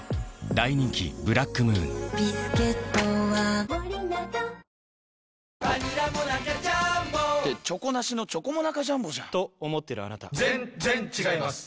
大人気ブラックムーンバニラモナカジャーンボって「チョコなしのチョコモナカジャンボ」じゃんと思ってるあなた．．．ぜんっぜんっ違います